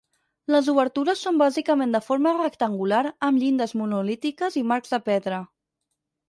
Les obertures són bàsicament de forma rectangular amb llindes monolítiques i marcs de pedra.